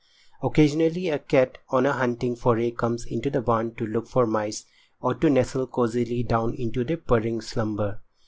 Occasionally a cat on a hunting foray comes into the barn to look for mice, or to nestle cosily down into purring slumber.